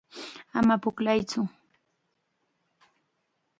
Ama pukllaytsu.